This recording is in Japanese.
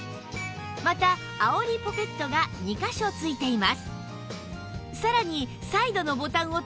またあおりポケットが２カ所付いています